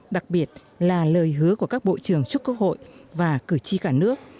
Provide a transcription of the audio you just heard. đặc biệt là lời hứa của các bộ trưởng chúc quốc hội và cử tri cả nước